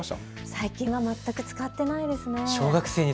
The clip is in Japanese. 最近は全く使ってないですね。